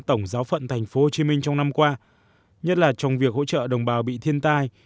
tổng giáo phận tp hcm trong năm qua nhất là trong việc hỗ trợ đồng bào bị thiên tai